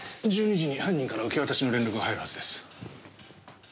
１２時に犯人から受け渡しの連絡が入るはずです。